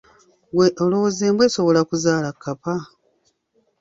Gwe olowooza embwa esobola okuzaala kapa?